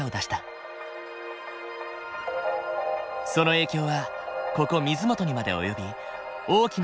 その影響はここ水元にまで及び大きな被害をもたらした。